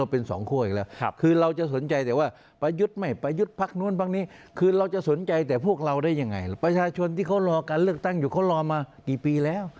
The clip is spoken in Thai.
ประชาชนที่เขารอการเลือกตั้งอยู่เขารอมากี่ปีแล้ว